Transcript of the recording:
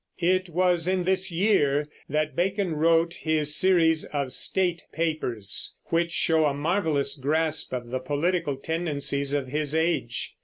It was in this year that Bacon wrote his series of State Papers, which show a marvelous grasp of the political tendencies of his age.